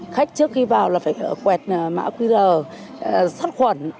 khách trước khi vào là phải quẹt mã quy rờ sát khuẩn